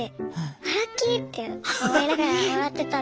あラッキーって思いながらもらってたんです。